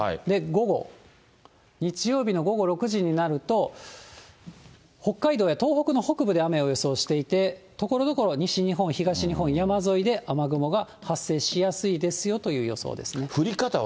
午後、日曜日の午後６時になると、北海道や東北の北部で雨を予想していて、ところどころ、西日本、東日本、山沿いで雨雲が発生しやすいですよという予想ですね。